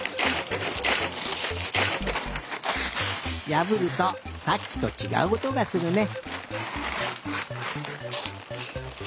やぶるとさっきとちがうおとがするね。